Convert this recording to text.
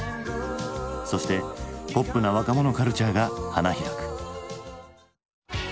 そしてポップな若者カルチャーが花開く。